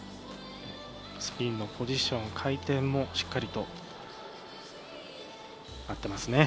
スピンのポジション回転もしっかりと合ってます。